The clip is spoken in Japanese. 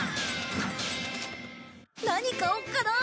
何買おっかな？